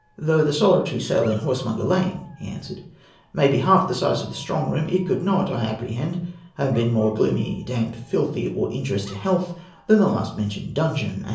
"Though the solitary cell in Horsemonger Lane," he answered, "may be half the size of the Strong Room, it could not, I apprehend, have been more gloomy, damp, filthy, or injurious to health than the last mentioned dungeon.